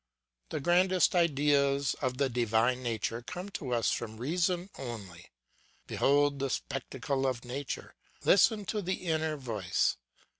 The grandest ideas of the Divine nature come to us from reason only. Behold the spectacle of nature; listen to the inner voice.